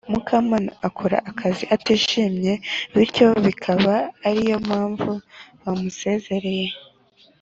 mukamana akora akazi atishimye bityo bikaba ariyo mpamvu bamusezereye